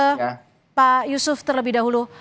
terima kasih terlebih dahulu